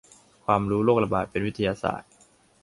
ความรู้โรคระบาด เป็นวิทยาศาสตร์